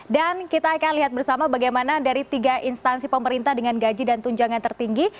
dan kita akan lihat bersama bagaimana dari tiga instansi pemerintah dengan gaji dan tunjangan tertinggi